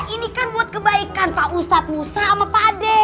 ini kan buat kebaikan pak ustadz musa sama pak ade